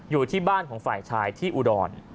อยู่ที่บ้านของฝ่ายชายที่อุดร